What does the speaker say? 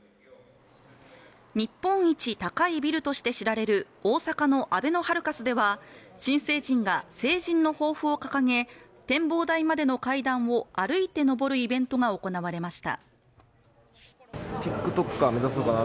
日本一高いビルとして知られる大阪のあべのハルカスでは新成人が成人の抱負を掲げ展望台までの階段を歩いて上るイベントが行われました